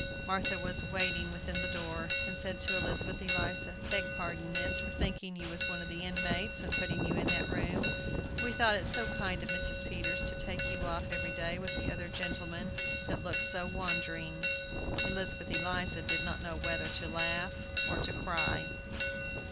Martha was waiting within the door, and said to Elizabeth Eliza, "Beg pardon, miss, for thinking you was one of the inmates, and putting you in that room. We thought it so kind of Mrs. Peters to take you off every day with the other gentlemen, that looked so wandering." Elizabeth Eliza did not know whether to laugh or to cry.